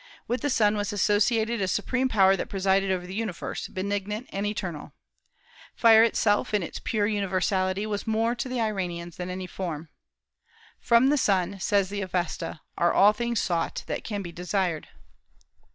With the sun was associated a supreme power that presided over the universe, benignant and eternal. Fire itself in its pure universality was more to the Iranians than any form. "From the sun," says the Avesta, "are all things sought that can be desired."